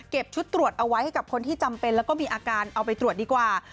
ชุดตรวจเอาไว้ให้กับคนที่จำเป็นแล้วก็มีอาการเอาไปตรวจดีกว่า